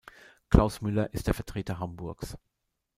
Claus Müller ist der Vertreter Hamburgs.